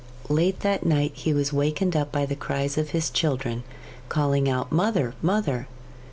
Late that night he was wakened up by the cries of his children calling out 'Mother! Mother!